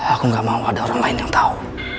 aku gak mau ada orang lain yang tahu